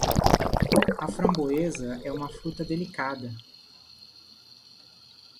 A framboesa é uma fruta delicada.